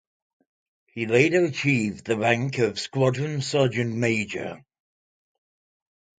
He later achieved the rank of Squadron Sergeant Major.